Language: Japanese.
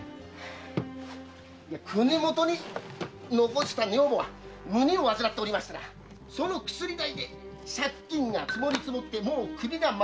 国元に残した女房は胸を患っておりましてなその薬代で借金が積もり積もってもう首が回らない。